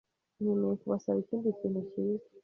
Nkeneye kubasaba ikindi kintu cyiza.